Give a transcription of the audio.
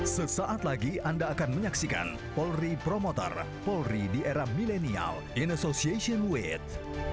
sesaat lagi anda akan menyaksikan polri promotor polri di era milenial in association with